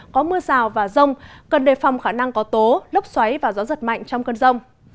có mưa rào và rông cần đề phòng khả năng có tố lốc xoáy và gió giật mạnh trong cơn rông